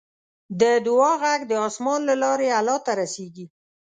د دعا غږ د اسمان له لارې الله ته رسیږي.